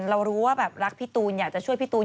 เรารู้ว่าแบบรักพี่ตูนอยากจะช่วยพี่ตูน